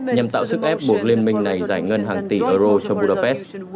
nhằm tạo sức ép buộc liên minh này giải ngân hàng tỷ euro cho budapest